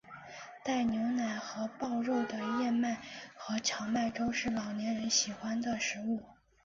带牛奶和狍肉的燕麦和荞麦粥是老年人喜欢的食物。